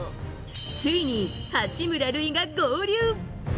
ついに八村塁が合流！